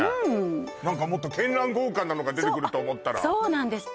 何かもっと絢爛豪華なのが出てくると思ったらそうなんです